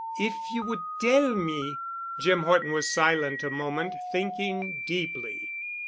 If you would tell me——?" Jim Horton was silent a moment, thinking deeply.